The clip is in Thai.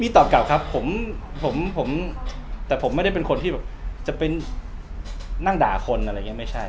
ตอบกลับครับผมผมแต่ผมไม่ได้เป็นคนที่แบบจะเป็นนั่งด่าคนอะไรอย่างนี้ไม่ใช่